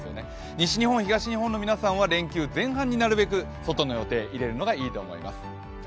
西日本、東日本の皆さんは連休前半になるべく外の予定を入れるのがいいと思います。